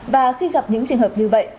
và khi gặp những trường hợp như vậy